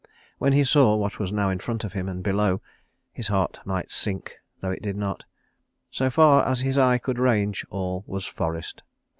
When he saw what was now in front of him and below, his heart might sink, though it did not. So far as eye could range all was forest.